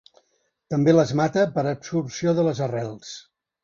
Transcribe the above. També les mata per absorció de les arrels.